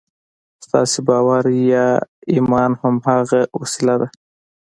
ستاسې باور یا ایمان هماغه وسیله ده